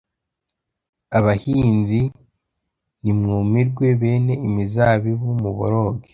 aBahinzi, nimwumirwe; bene imizabibu, muboroge;